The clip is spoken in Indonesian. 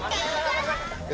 mana yang muda